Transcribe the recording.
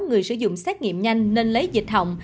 người sử dụng xét nghiệm nhanh nên lấy dịch hỏng